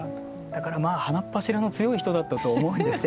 だから鼻っ柱の強い人だったと思うんですけれども。